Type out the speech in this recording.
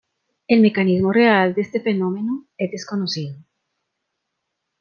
El mecanismo real de este fenómeno es desconocido.